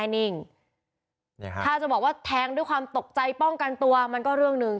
นิ่งถ้าจะบอกว่าแทงด้วยความตกใจป้องกันตัวมันก็เรื่องหนึ่ง